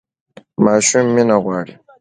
ماشوم مینه غواړي